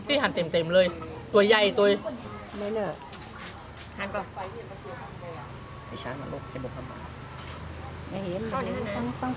ตี้หันเต็มเต็มเลยตัวใหญ่ตัวไม่เหนือหันก่อน